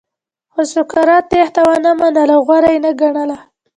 خو سقراط تېښته ونه منله او غوره یې نه ګڼله.